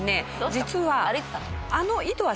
実は。